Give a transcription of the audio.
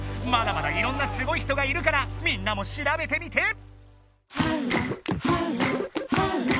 まだまだいろんなスゴい人がいるからみんなもしらべてみて。